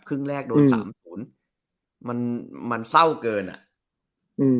ครึ่งแรกโดนสามผลมันมันเศร้าเกินอ่ะอืม